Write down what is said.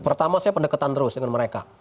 pertama saya pendekatan terus dengan mereka